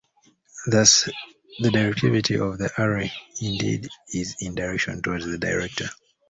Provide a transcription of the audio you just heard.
Thus the directivity of the array indeed is in the direction towards the director.